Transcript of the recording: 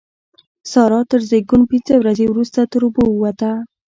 سارا تر زېږون پينځه ورځې روسته تر اوبو ووته.